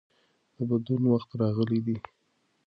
د بدلون وخت راغلی دی.